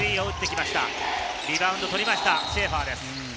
リバウンドを取りました、シェーファーです。